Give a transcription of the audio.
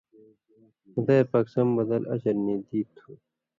خُدائ پاک سم بدل (اجر) نی دی تُھو